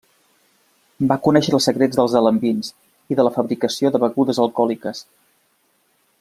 Va conèixer els secrets dels alambins i de la fabricació de begudes alcohòliques.